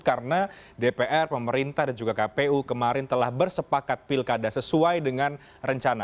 karena dpr pemerintah dan juga kpu kemarin telah bersepakat pilkada sesuai dengan rencana